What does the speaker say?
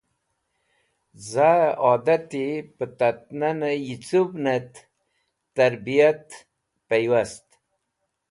Zaẽ adati pẽ tat nanẽ yicũvnẽt tẽrbiyat pẽywast.